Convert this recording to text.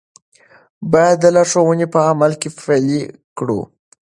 باید دا لارښوونې په عمل کې پلي کړو.